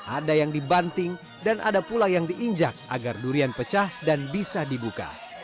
ada yang dibanting dan ada pula yang diinjak agar durian pecah dan bisa dibuka